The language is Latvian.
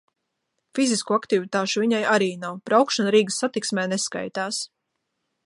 Fizisko aktivitāšu viņai arī nav, braukšana Rīgas Satiksmē neskaitās.